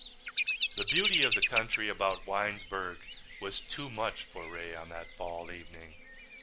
The beauty of the country about Winesburg was too much for Ray on that fall evening.